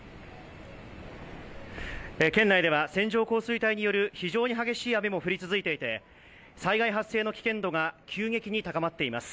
県内では線状降水帯による非常に激しい雨も降り続いていて、災害発生の危険度が急激に高まっています。